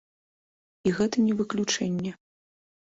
І гэта не выключэнне.